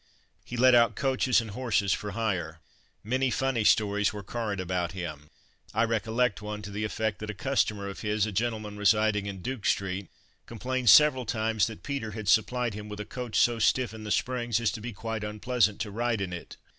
He let out coaches and horses for hire. Many funny stories were current about him. I recollect one to the effect that a customer of his, a gentleman residing in Duke street, complained several times that Peter had supplied him with a coach so stiff in the springs as to be quite unpleasant to ride in it.